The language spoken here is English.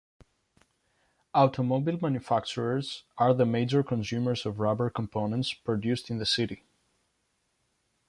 Automobile manufacturers are the major consumers of rubber components produced in the city.